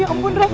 ya ampun rafa